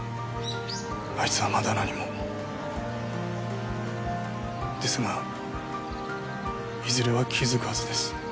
あいつはまだ何もですがいずれは気づくはずです